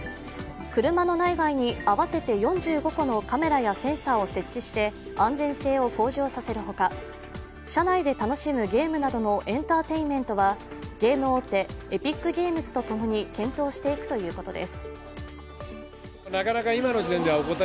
車の内外に合わせて４５個のカメラやセンサーを設置して安全性を向上させるほか車内で楽しむゲームなどのエンターテインメントはゲーム大手ＥｐｉｃＧａｍｅｓと共に検討していくということです。